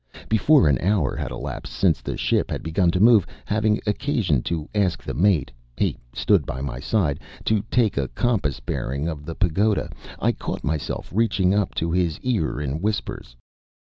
Before an hour had elapsed since the ship had begun to move, having occasion to ask the mate (he stood by my side) to take a compass bearing of the pagoda, I caught myself reaching up to his ear in whispers.